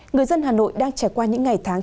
người dân hà nội đang trải qua những ngày tháng